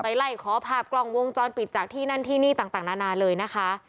ไล่ขอภาพกล้องวงจรปิดจากที่นั่นที่นี่ต่างนานาเลยนะคะ